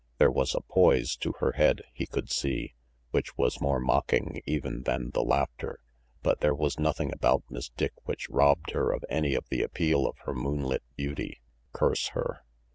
There was a poise to her head, he could see, which was more mocking even than the laughter; but there was nothing about Miss Dick which robbed her of any of the appeal of her moonlit beauty curse her